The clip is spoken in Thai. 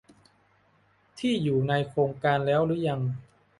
ที่อยู่ในโครงการแล้วรึยัง